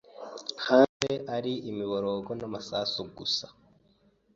hanze ari imiborogo n’amasasu gusa.